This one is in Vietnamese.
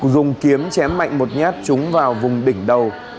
dùng kiếm chém mạnh một nhát chúng vào vùng đỉnh đầu